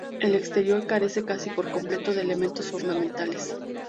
El exterior carece casi por completo de elementos ornamentales.